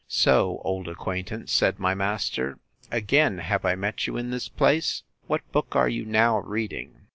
So, old acquaintance, said my master, again have I met you in this place? What book are you now reading?